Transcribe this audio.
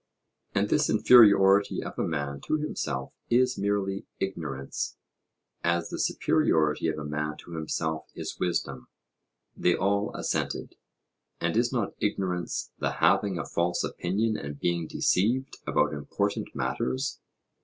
And this inferiority of a man to himself is merely ignorance, as the superiority of a man to himself is wisdom. They all assented. And is not ignorance the having a false opinion and being deceived about important matters?